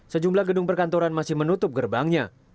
sejumlah gedung perkantoran masih menutup gerbangnya